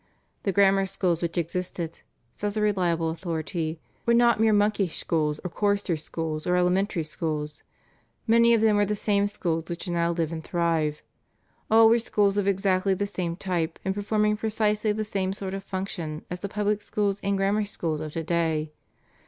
"The Grammar Schools which existed," says a reliable authority, "were not mere monkish schools or choristers' schools or elementary schools. Many of them were the same schools which now live and thrive. All were schools of exactly the same type, and performing precisely the same sort of functions as the public schools and grammar schools of to day.